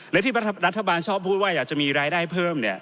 และที่รัฐบาลชอบพูดว่าอยากจะมีรายได้เพิ่มเนี่ย